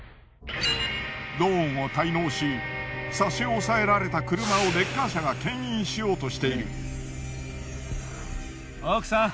ローンを滞納し差し押さえられた車をレッカー車がけん引しようとしている。